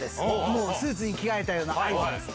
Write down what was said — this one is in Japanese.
もうスーツに着替えたよの合図です。